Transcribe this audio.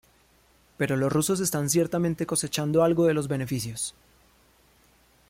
Pero lo rusos están ciertamente cosechando algo de los beneficios.